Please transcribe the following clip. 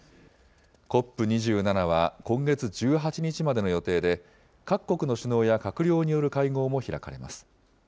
ＣＯＰ２７は今月１８日までの予定で、各国の首脳や閣僚による会合も開かれます。